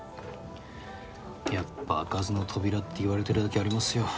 やっぱ開かずの扉っていわれてるだけありますよ。